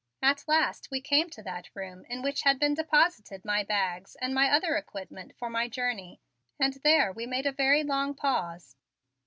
At last we came to that room in which had been deposited my bags and my other equipment for my journey and there we made a very long pause.